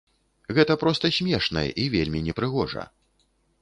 Гэта проста смешна і вельмі непрыгожа.